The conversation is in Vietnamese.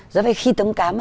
do vậy khi tấm cám